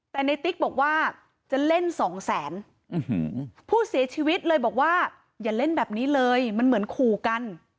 แต่ในติ๊กบอกว่าจะเล่นสองแสนผู้เสียชีวิตเลยบอกว่าอย่าเล่นแบบนี้เลยมันเหมือนขู่กัน